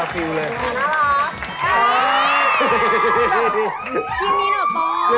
แบบชีวิตนี้หน่อยตรงนี้